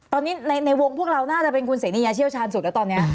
ตอนนี้ในวงพวกเราน่าจะเป็นคุณเสนียาเชี่ยวชาญสุดแล้วตอนนี้